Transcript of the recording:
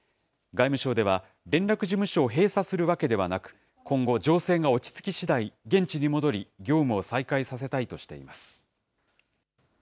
外務省では、連絡事務所を閉鎖するわけではなく、今後、情勢が落ち着きしだい現地に戻り、業務を再開させたいとしています。